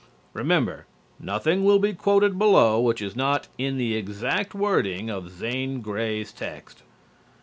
Remember, nothing will be quoted below which is not in the exact wording of Zane Grey's text.